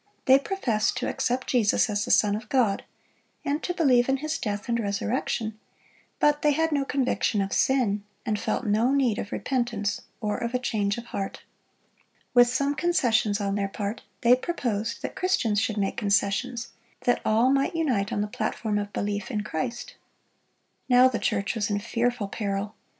They professed to accept Jesus as the Son of God, and to believe in His death and resurrection; but they had no conviction of sin, and felt no need of repentance or of a change of heart. With some concessions on their part, they proposed that Christians should make concessions, that all might unite on the platform of belief in Christ. Now the church was in fearful peril.